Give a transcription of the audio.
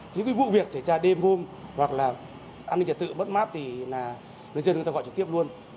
những cái vụ việc xảy ra đêm hôm hoặc là an ninh trật tự mất mát thì là người dân chúng ta gọi trực tiếp luôn